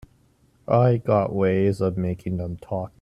I got ways of making them talk.